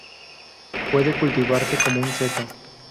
Puede cultivarse como un seto.